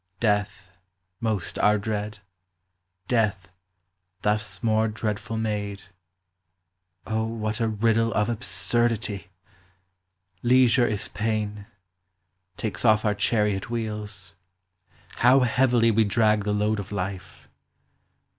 Death, most our dread ; death, thus more dreadful made : O, what a riddle of absurdity ! Leisure is pain ; takes off our chariot wheels : How heavily we drag the load of life